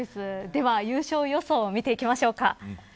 では優勝予想を見ていきましょうか。